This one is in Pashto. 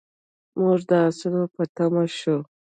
موږ د اسونو په تماشه شوو.